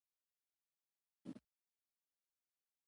د رحم د عفونت لپاره باید څه شی وکاروم؟